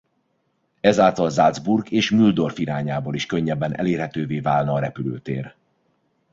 Ezáltal Salzburg és Mühldorf irányából is könnyebben elérhetővé válna a repülőtér.